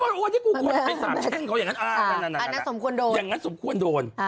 ทำไมใช่จงเราอย่างนั้นสำควรโดน